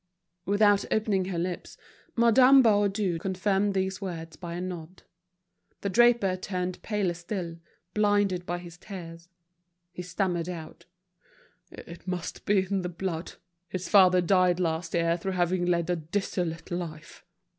Without opening her lips, Madame Baudu confirmed these words by a nod. The draper turned paler still, blinded by his tears. He stammered out: "It must be in the blood, his father died last year through having led a dissolute life."